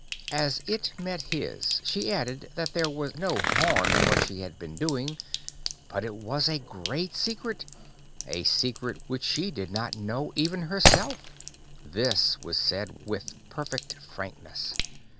As it met his she added that there was no harm in what she had been doing, but it was a great secret—a secret which she did not even know herself. This was said with perfect frankness.